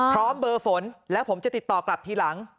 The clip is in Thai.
พร้อมเบอร์ฝนแล้วผมจะติดต่อกลับทีหลัง